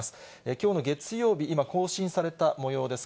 きょうの月曜日、今、更新されたもようです。